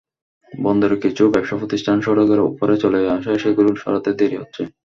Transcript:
বন্দরের কিছু ব্যবসাপ্রতিষ্ঠান সড়কের ওপরে চলে আসায় সেগুলো সরাতে দেরি হচ্ছে।